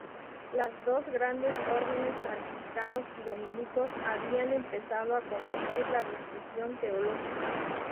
Las dos grandes órdenes, franciscanos y dominicos, habían empezado a conducir la discusión teológica.